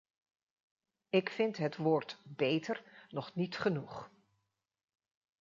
Ik vind het woord "beter" nog niet genoeg.